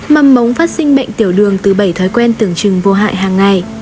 mầm mống phát sinh bệnh tiểu đường từ bảy thói quen tưởng chừng vô hại hàng ngày